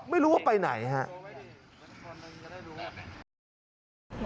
ไม่รู้ว่าไปไหนครับ